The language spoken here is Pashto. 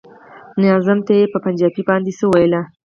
ناظم ته يې په پنجابي باندې څه ويل.